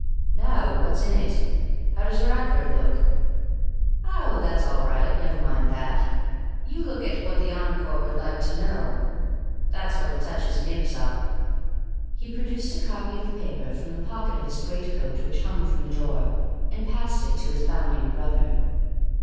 "Naow. What's in it? How does our advert, look?" "Ow, that's all right, never mind that. You look at 'What the Encore Would Like to Know.' That's what'll touch his nibs up." He produced a copy of the paper from the pocket of his great coat which hung from the door, and passed it to his bounding brother.